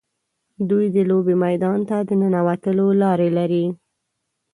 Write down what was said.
دوی د لوبې میدان ته د ننوتلو لارې لري.